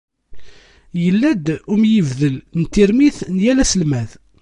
Yalla-d umyibdel n tirmit n yal aselmad.